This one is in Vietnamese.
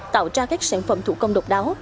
tạo ra các sản phẩm thủ công độc đáo